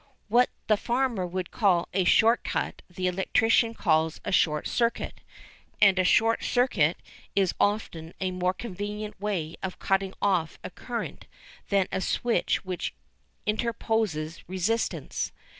What the farmer would call a short cut the electrician calls a short circuit, and a short circuit is often a more convenient way of cutting off a current than a switch which interposes resistance.